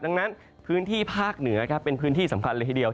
ดังนั้นพื้นที่ภาคเหนือครับเป็นพื้นที่สำคัญเลยทีเดียว